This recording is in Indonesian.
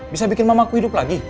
bisa bikin mamaku hidup lagi